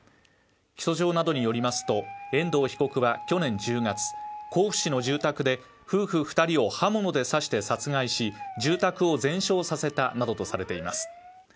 起訴状などによりますと遠藤被告は去年１０月甲府市の住宅で夫婦２人を刃物で刺して殺害し、住宅を全焼させたなどとされています。